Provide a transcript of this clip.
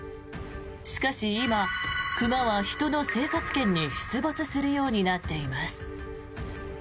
しかし今、熊は人の生活圏に出没するようになっています。